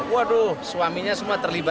waduh suaminya semua terlibat